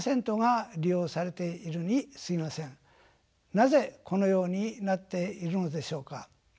なぜこのようになっているのでしょうか。